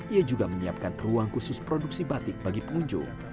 ia juga menyiapkan ruang khusus produksi batik bagi pengunjung